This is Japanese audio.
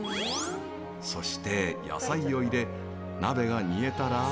そして、野菜を入れ鍋が煮えたら。